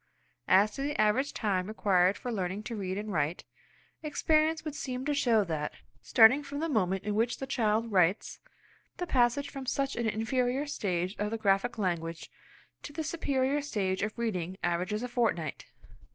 As to the average time required for learning to read and write, experience would seem to show that, starting from the moment in which the child writes, the passage from such an inferior stage of the graphic language to the superior state of reading averages a fortnight.